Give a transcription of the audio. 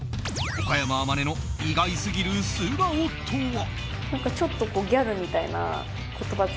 岡山天音の意外すぎる素顔とは？